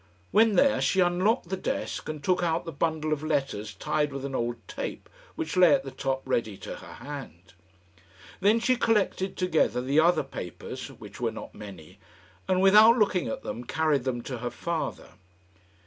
When there she unlocked the desk and took out the bundle of letters tied with an old tape which lay at the top ready to her hand. Then she collected together the other papers, which were not many, and without looking at them carried them to her father.